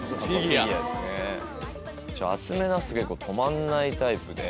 集めだすと止まんないタイプで。